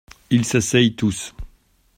Ils s’asseyent tous.